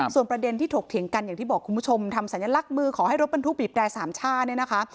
ส่วนประเด็นที่ถกเถียงกันอย่างที่บอกคุณผู้ชมทำสัญลักษณ์ลักษณ์มือขอให้รถบรรทุกปีบได้สามชาติ